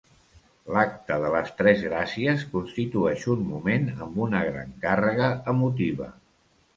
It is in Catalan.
L'Acte de les Tres Gràcies constitueix un moment amb una gran càrrega emotiva.